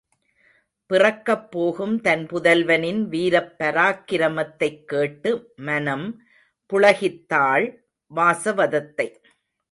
பிறக்கப் போகும் தன் புதல்வனின் வீரப் பராக்கிரமத்தைக் கேட்டு மனம் புளகித்தாள் வாசவதத்தை!